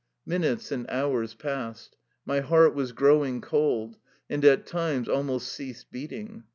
Minutes and hours passed. My heart was growing cold, and at times almost ceased beating.